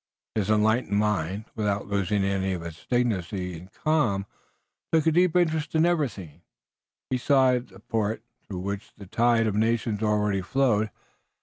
His enlightened mind, without losing any of its dignity and calm, took a deep interest in everything he saw at the port, through which the tide of nations already flowed.